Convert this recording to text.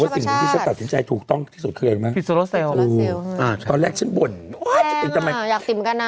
พลังงานการชะพรชาติ